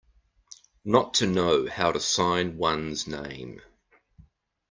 Not to know how to sign one's name.